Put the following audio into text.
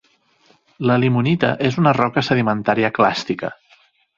La limonita és una roca sedimentària clàstica.